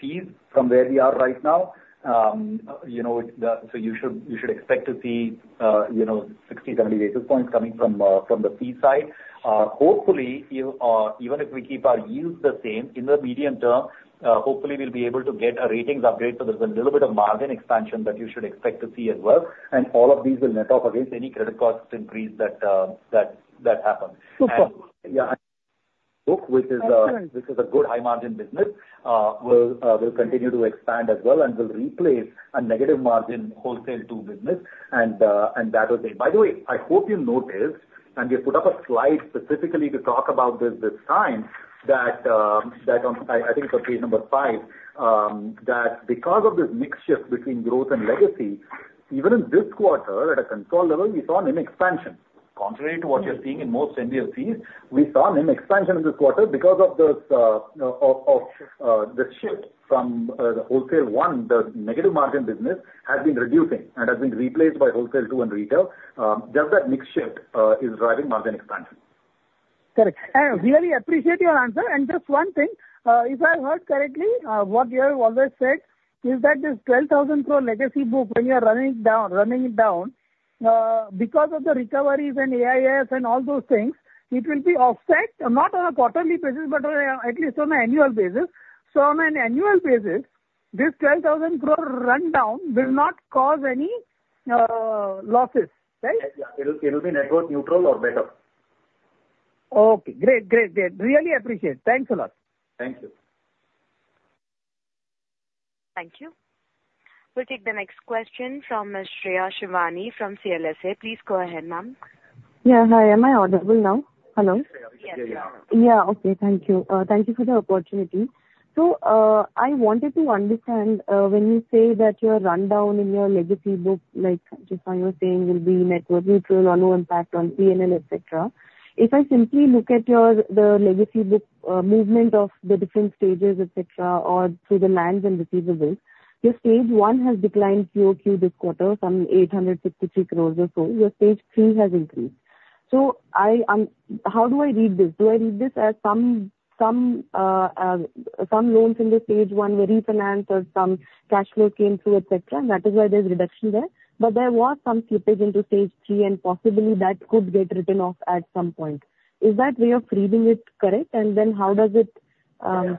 fees from where we are right now. You know, the, so you should expect to see, you know, sixty, seventy basis points coming from the fee side. Hopefully, you, even if we keep our yields the same, in the medium term, hopefully we'll be able to get a ratings upgrade, so there's a little bit of margin expansion that you should expect to see as well, and all of these will net off against any credit costs increase that happen. Super. And yeah, book, which is. I heard. Which is a good high margin business, will continue to expand as well, and will replace a negative margin Wholesale 2.0 business and that will be. By the way, I hope you noticed, and we have put up a slide specifically to talk about this, this time, that on, I think it's on Page number 5, that because of this mix shift between growth and legacy, even in this quarter, at a consolidated level, we saw NIM expansion. Contrary to what you're seeing in most NBFCs, we saw NIM expansion in this quarter because of this, of the shift from the wholesale 1.0, the negative margin business has been reducing and has been replaced by Wholesale 2.0 and retail. Just that mix shift is driving margin expansion. Correct. I really appreciate your answer. And just one thing, if I heard correctly, what you have always said is that this 12,000 crore legacy book, when you are running it down, because of the recoveries and AIF and all those things, it will be offset, not on a quarterly basis, but at least on an annual basis. So on an annual basis, this 12,000 crore rundown will not cause any losses, right? Yeah. It will, it will be net worth neutral or better. Okay, great, great, great. Really appreciate. Thanks a lot. Thank you. Thank you. We'll take the next question from Ms. Shreya Shivani from CLSA. Please go ahead, ma'am. Yeah. Hi, am I audible now? Hello? Yes, you are. Yeah. Okay. Thank you. Thank you for the opportunity. So, I wanted to understand when you say that your rundown in your legacy book, like Jairam was saying, will be net worth neutral or no impact on PNL, et cetera. If I simply look at your, the legacy book, movement of the different stages, et cetera, or through the loans and receivables, your Stage 1 has declined QOQ this quarter, some 863 crores or so. Your Stage 3 has increased. So I, how do I read this? Do I read this as some some loans in the Stage 1 were refinanced or some cash flow came through, et cetera, and that is why there's a reduction there? But there was some slippage into Stage 3, and possibly that could get written off at some point. Is that way of reading it correct? And then how does it, Yeah.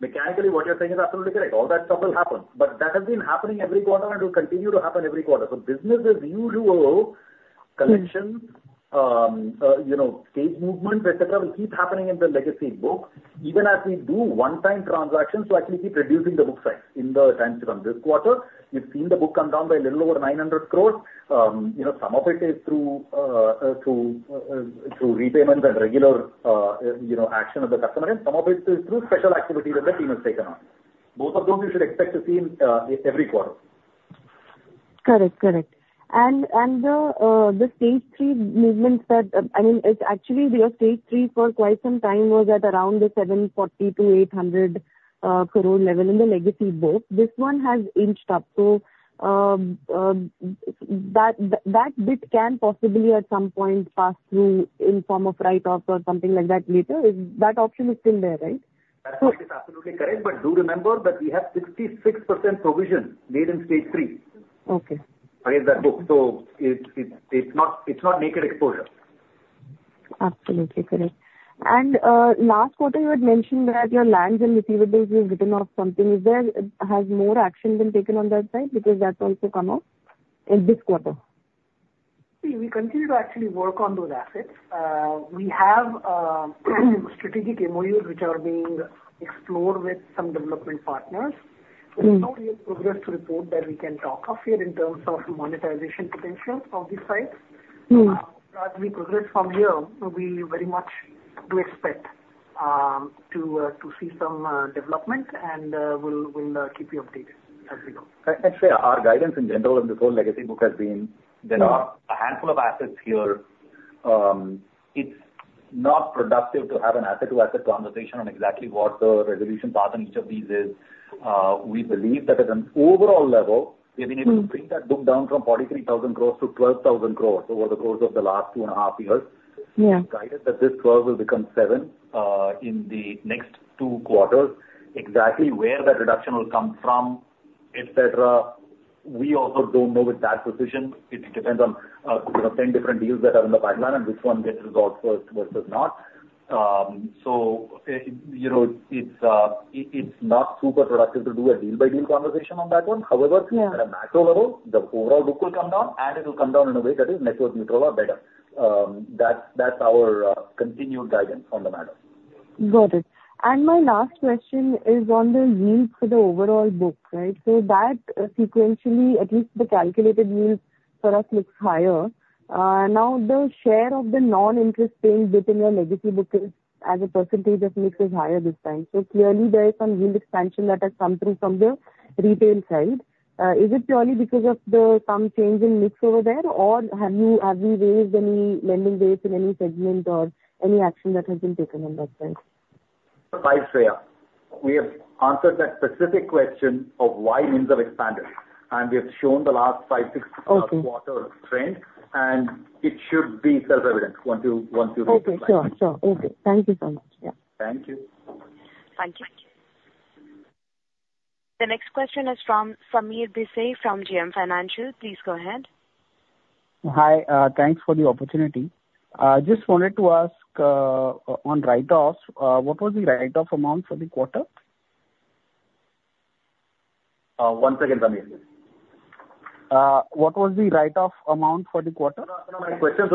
Mechanically, what you're saying is absolutely correct. All that stuff will happen, but that has been happening every quarter and will continue to happen every quarter. So business as usual. Mm-hmm. Collections, you know, stage movements, et cetera, will keep happening in the legacy books, even as we do one-time transactions to actually keep reducing the book size in the times from this quarter. You've seen the book come down by a little over 900 crores. You know, some of it is through repayments and regular, you know, action of the customer, and some of it is through special activities that the team has taken on. Both of those you should expect to see in every quarter. Correct, correct. And the Stage 3 movements that.I mean, it's actually your Stage 3 for quite some time was at around the 740-800 crore level in the legacy book. This one has inched up. So, that bit can possibly at some point pass through in form of write-off or something like that later. That option is still there, right? That point is absolutely correct, but do remember that we have 66% provision made in Stage 3. Okay. Against that book. So, it's not naked exposure. Absolutely correct. And last quarter, you had mentioned that your loans and receivables, you have written off something. Is there, has more action been taken on that side? Because that's also come up in this quarter. We continue to actually work on those assets. We have strategic MOUs which are being explored with some development partners. Mm-hmm. There's no real progress to report that we can talk of here in terms of monetization potential of these sites. Mm-hmm. As we progress from here, we very much do expect to see some development, and we'll keep you updated as we go. I'd say our guidance in general in this whole legacy book has been- Mm-hmm. There are a handful of assets here. It's not productive to have an asset-to-asset conversation on exactly what the resolution path on each of these is. We believe that at an overall level, we've been able to bring that book down from 43,000 crores to 12,000 crores over the course of the last two and a half years. Yeah. Given that this twelve will become seven in the next two quarters. Exactly where that reduction will come from, et cetera, we also don't know with that precision. It depends on, you know, 10 different deals that are in the pipeline and which one gets resolved first versus not. So, you know, it's not super productive to do a deal-by-deal conversation on that one. Yeah. However, at a macro level, the overall book will come down, and it will come down in a way that is network neutral or better. That's our continued guidance on the matter. Got it. And my last question is on the yields for the overall book, right? So that, sequentially, at least the calculated yields for us, looks higher. Now, the share of the non-interest paying within your legacy book as a percentage of mix is higher this time. So clearly there is some yield expansion that has come through from the retail side. Is it purely because of the some change in mix over there, or have you raised any lending rates in any segment or any action that has been taken on that front? Hi, Shreya. We have answered that specific question of why yields have expanded, and we have shown the last five, six, quarters' trend- Okay. - and it should be self-evident once you look at the slide. Okay. Sure, sure. Okay. Thank you so much. Yeah. Thank you. Thank you. The next question is from Sameer Desai from JM Financial. Please go ahead. Hi, thanks for the opportunity. Just wanted to ask, on write-offs, what was the write-off amount for the quarter? One second, Sameer. What was the write-off amount for the quarter? hundred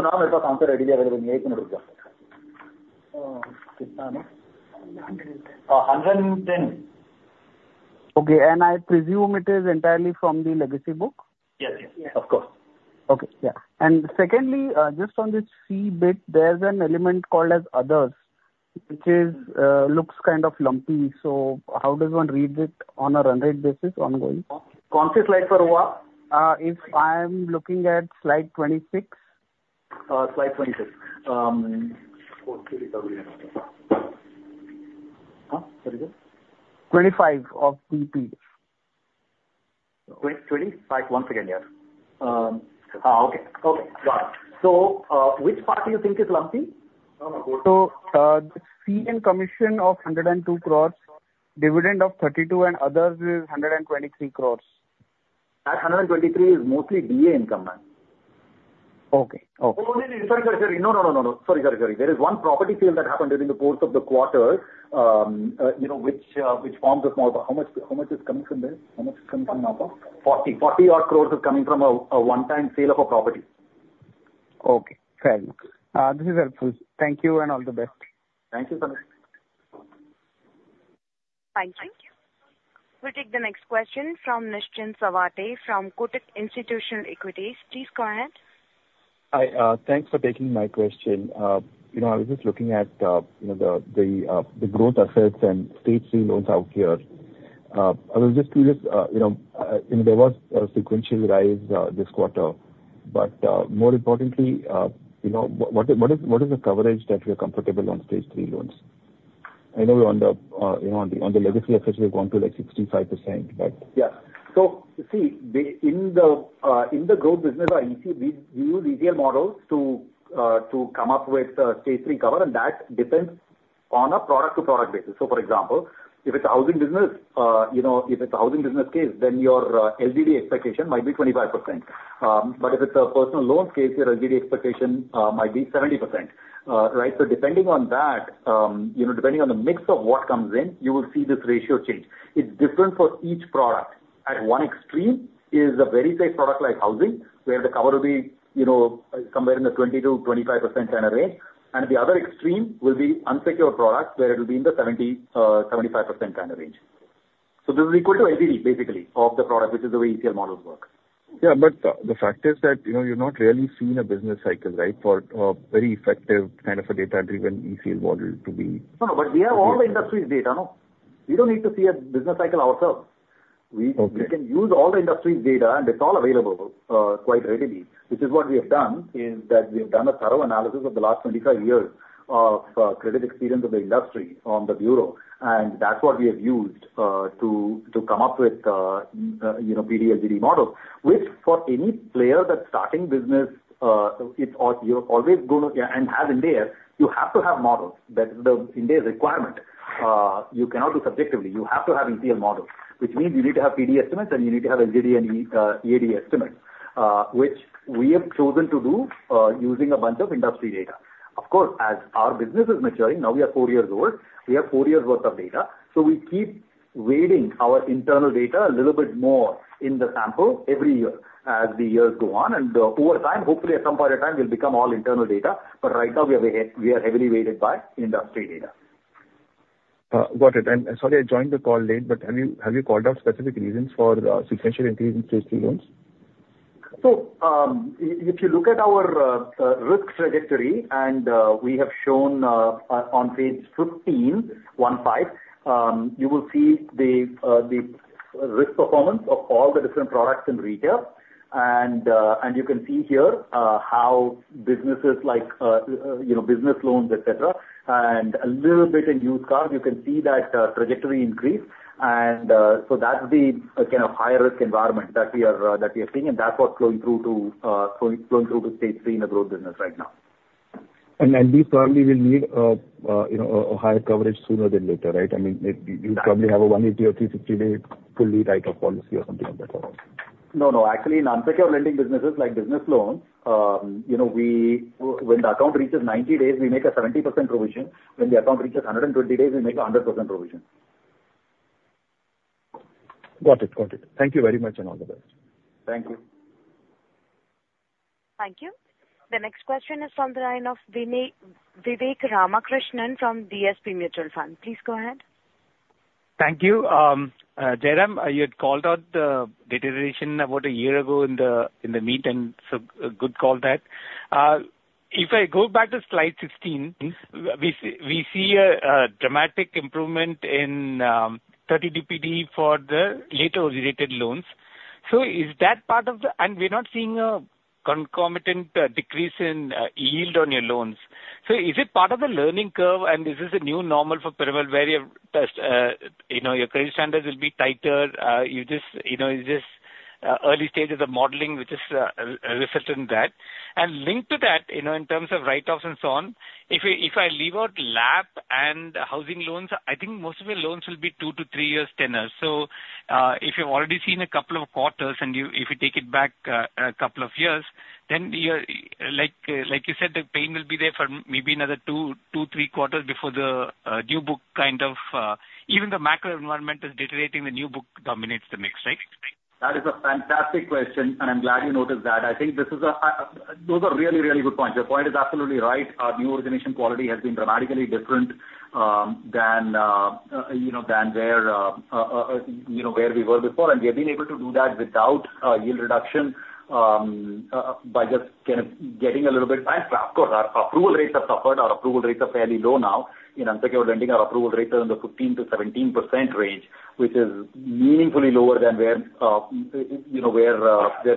and ten. hundred and ten. Okay, and I presume it is entirely from the legacy book? Yes. Yes. Of course. Okay. Yeah. And secondly, just on this fee bit, there's an element called as Others, which is, looks kind of lumpy. So how does one read it on a run rate basis ongoing? If I'm looking at Slide 26. Slide 26. Huh? Sorry, again. 25 of PT. Twenty, twenty? Sorry, one second, yeah. Okay. Okay, got it. So, which part do you think is lumpy? Fees and commissions of 102 crores, dividend of 32 crores, and others is 123 crores. That hundred and twenty-three is mostly DA income, man. Okay. Okay. Oh, no, no, sorry, sorry, sorry. No, no, no, no, no. Sorry, sorry, sorry. There is one property sale that happened during the course of the quarter, you know, which, which forms a small, how much, how much is coming from there? How much is coming from that one? 40, 40-odd crores is coming from a one-time sale of a property. Okay, fair enough. This is helpful. Thank you, and all the best. Thank you, Sameer. Thank you. We'll take the next question from Nischint Chawathe from Kotak Institutional Equities. Please go ahead. Hi, thanks for taking my question. You know, I was just looking at, you know, the growth assets and Stage 3 loans out here. I was just curious, you know, you know, there was a sequential rise, this quarter, but, more importantly, you know, w-what is, what is, what is the coverage that we are comfortable on Stage 3 loans? I know on the, you know, on the legacy assets, we have gone to, like, 65%, but- Yeah. So, see, the, in the, in the growth business, you see we use ECL models to, to come up with, Stage 3 cover, and that depends on a product-to-product basis. So, for example, if it's a housing business, you know, if it's a housing business case, then your, LGD expectation might be 25%. But if it's a personal loan case, your LGD expectation, might be 70%. Right? So depending on that, you know, depending on the mix of what comes in, you will see this ratio change. It's different for each product. At one extreme is a very safe product like housing, where the cover will be, you know, somewhere in the 20%-25% kind of range. The other extreme will be unsecured products, where it will be in the 70%-75% kind of range. This is equal to LGD, basically, of the product, which is the way ECL models work. Yeah, but, the fact is that, you know, you're not really seeing a business cycle, right? For, very effective kind of a data-driven ECL model to be- No, no, but we have all the industry's data, no? We don't need to see a business cycle ourselves. We, we can use all the industry's data, and it's all available, quite readily. Which is what we have done, is that we have done a thorough analysis of the last twenty-five years of credit experience of the industry on the bureau, and that's what we have used to come up with, you know, PD, LGD model. Which, for any player that's starting business, it's all - you're always gonna. Yeah, and in India, you have to have models. That's India's requirement. You cannot do subjectively. You have to have ECL models, which means you need to have PD estimates, and you need to have LGD and EAD estimates, which we have chosen to do, using a bunch of industry data. Of course, as our business is maturing, now we are four years old, we have four years' worth of data. So we keep weighing our internal data a little bit more in the sample every year, as the years go on, and over time, hopefully, at some point in time, it will become all internal data, but right now, we are heavily weighted by industry data. Got it. And sorry, I joined the call late, but have you called out specific reasons for sequential increase in Stage 3 loans? If you look at our risk trajectory, and we have shown on Page 15, you will see the risk performance of all the different products in retail. And you can see here how businesses like, you know, business loans, et cetera, and a little bit in used cars, you can see that trajectory increase. And so that's the kind of higher risk environment that we are seeing, and that's what's flowing through to Stage 3 in the growth business right now. These probably will need, you know, a higher coverage sooner than later, right? I mean, you probably have a 180- or 360-day fully write-off policy or something like that. No, no. Actually, in unsecured lending businesses like business loans, you know, we, when the account reaches 90 days, we make a 70% provision. When the account reaches 120 days, we make a 100% provision. Got it. Got it. Thank you very much, and all the best. Thank you. Thank you. The next question is from the line of Vivek Ramakrishnan from DSP Mutual Fund. Please go ahead. Thank you. Jairam, you had called out the deterioration about a year ago in the microfinance, and so, a good call that. If I go back to Slide 16, we see a dramatic improvement in 30 DPD for the retail related loans. So is that part of the, and we're not seeing a concomitant decrease in yield on your loans. So is it part of the learning curve, and is this a new normal for Piramal, where you know your credit standards will be tighter? You just, you know, it's just early stages of modeling, which is reflected in that. Linked to that, you know, in terms of write-offs and so on, if I leave out LAP and housing loans, I think most of your loans will be two to three years tenure. So, if you've already seen a couple of quarters and if you take it back a couple of years, then you're, like, like you said, the pain will be there for maybe another two, three quarters before the new book, kind of, even the macro environment is deteriorating, the new book dominates the mix, right? That is a fantastic question, and I'm glad you noticed that. I think those are really, really good points. Your point is absolutely right. Our new origination quality has been dramatically different than you know than where you know where we were before. And we have been able to do that without a yield reduction by just kind of getting a little bit tighter. Of course, our approval rates have suffered. Our approval rates are fairly low now. In unsecured lending, our approval rates are in the 15%-17% range, which is meaningfully lower than where you know where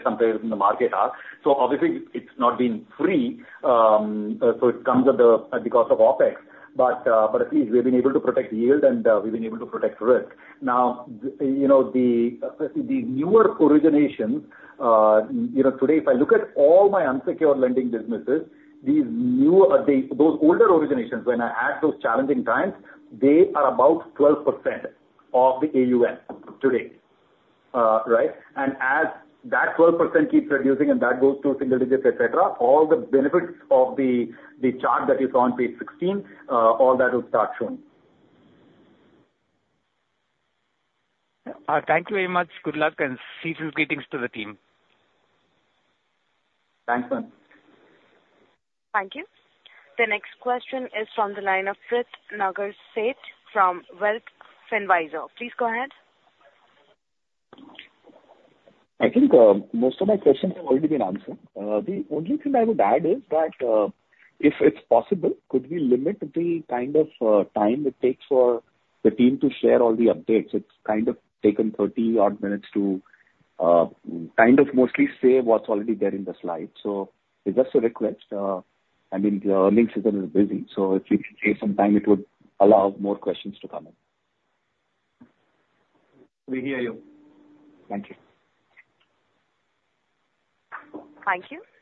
some players in the market are. So obviously, it's not been free, so it comes at the cost of OpEx. But at least we've been able to protect yield, and we've been able to protect risk. Now, you know, the, especially the newer originations, you know, today, if I look at all my unsecured lending businesses, these new, the, those older originations when I add those challenging times, they are about 12% of the AUM today, right? And as that 12% keeps reducing and that goes to single digits, et cetera, all the benefits of the chart that you saw on Page 16, all that will start showing. Thank you very much. Good luck and seasonal greetings to the team. Thanks, Vivek. Thank you. The next question is from the line of Prit Nagersheth from Wealth Finvizor. Please go ahead. I think, most of my questions have already been answered. The only thing I would add is that, if it's possible, could we limit the kind of time it takes for the team to share all the updates? It's kind of taken thirty-odd minutes to kind of mostly say what's already there in the slide. So it's just a request. I mean, the line system is busy, so if you could save some time, it would allow more questions to come in. We hear you. Thank you. Thank you.